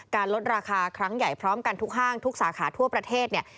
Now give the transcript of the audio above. ลดราคาครั้งใหญ่พร้อมกันทุกห้างทุกสาขาทั่วประเทศเนี่ย